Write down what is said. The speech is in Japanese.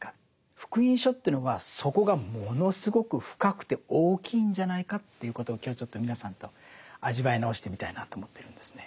「福音書」というのはそこがものすごく深くて大きいんじゃないかということを今日ちょっと皆さんと味わい直してみたいなと思ってるんですね。